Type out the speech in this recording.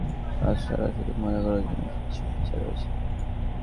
আরও কিছুগুগলে প্রয়োজনীয় এসব কাজ ছাড়াও শুধু মজা করার জন্যে কিছু ফিচার রয়েছে।